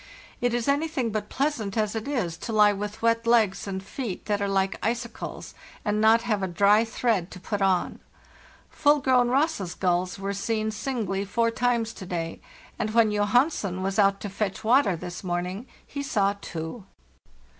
It is anything but pleasant as it is to lie with wet legs and feet that are like icicles, and not have a dry thread to put on. Full grown Ross's gulls were seen singly four times to day, and when Johansen was out to fetch water this morning he saw two.